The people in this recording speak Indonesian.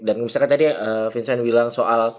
dan misalkan tadi ya vincent bilang soal